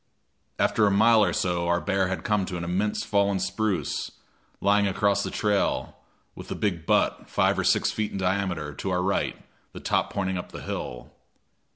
After a mile or so our bear had come to an immense fallen spruce, lying across the trail, with the big butt, five or six feet in diameter, to our right, the top pointing up the hill.